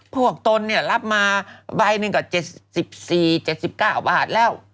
พวกตนรับมาใบนึงกว่า๗๔๗๙บาทแล้ว